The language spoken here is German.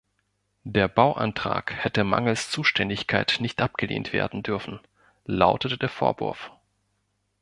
Der Bauantrag hätte mangels Zuständigkeit nicht abgelehnt werden dürfen, lautete der Vorwurf.